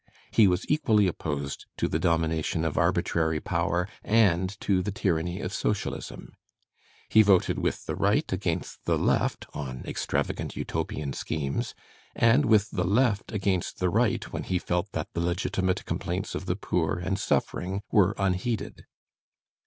He was equally opposed to the domination of arbitrary power and to the tyranny of Socialism. He voted with the right against the left on extravagant Utopian schemes, and with the left against the right when he felt that the legitimate complaints of the poor and suffering were unheeded.